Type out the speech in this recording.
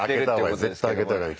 絶対あけた方がいい。